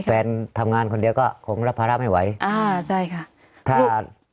แฟนทำงานคนเดียวก็คงรับภาระไม่ไหวอ่าใช่ค่ะถ้า